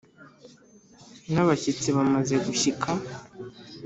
n’abashyitsi bamaze gushyika